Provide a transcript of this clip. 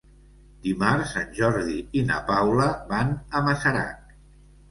Dimarts en Jordi i na Paula van a Masarac.